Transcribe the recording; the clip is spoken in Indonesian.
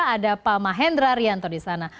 ada pak mahendra rianto di sana